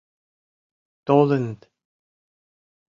Толыныт!